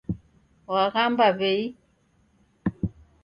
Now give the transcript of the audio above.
W'aghamba w'ei?